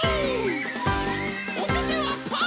おててはパー！